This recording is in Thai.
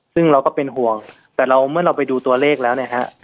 ซึ่งเราก็เป็นห่วงแต่เราเมื่อเราไปดูตัวเลขแล้วเนี่ยฮะ